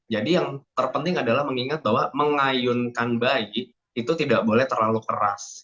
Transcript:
jadi yang terpenting adalah mengingat bahwa mengayunkan bayi itu tidak boleh terlalu keras